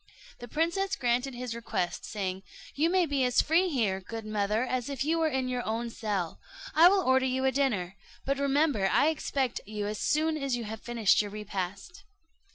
The princess granted his request, saying, "You may be as free here, good mother, as if you were in your own cell: I will order you a dinner, but remember I expect you as soon as you have finished your repast."